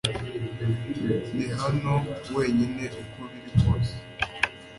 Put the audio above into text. Ndi hano wenyine uko biri kose